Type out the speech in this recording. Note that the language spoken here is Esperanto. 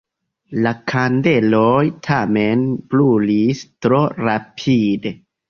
La kandeloj tamen brulis tro rapide.